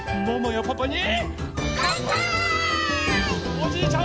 おじいちゃん